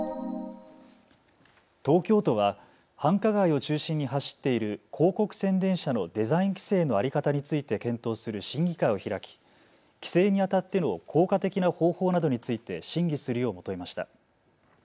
東京都は繁華街を中心に走っている広告宣伝車のデザイン規制の在り方について検討する審議会を開き規制にあたっての効果的な方法などについて審議するよう求めました。